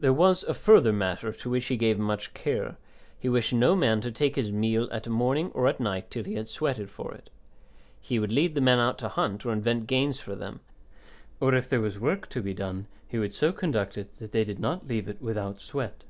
There was a further matter, to which he gave much care; he wished no man to take his meal at morning or at night till he had sweated for it. He would lead the men out to hunt, or invent games for them, or if there was work to be done, he would so conduct it that they did not leave it without sweat.